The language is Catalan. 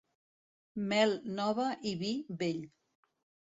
Mel nova i vi vell.